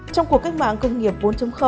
trong cuộc cách mạng công nghiệp bốn